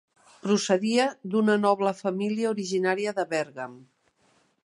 Procedia d'una noble família originària de Bèrgam.